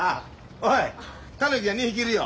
おいタヌキが２匹いるよ。